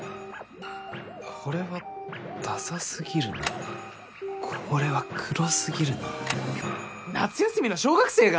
・これはダサ過ぎるなぁこれは黒過ぎるなぁ夏休みの小学生か！